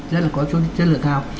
rất là có chất lượng cao